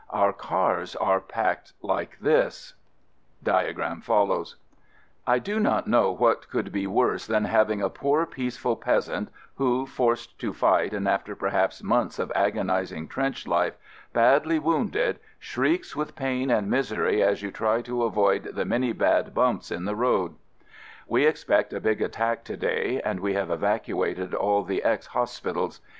Our cars are packed like this — 24 AMERICAN AMBULANCE I do not know what could be worse than having a poor peaceful peasant who, — forced to fight and after perhaps months of agonizing trench life — badly wounded, shrieks with pain and misery as you try to avoid the many bad bumps in the road. We expect a big attack to day and we have evacuated all the X hospitals.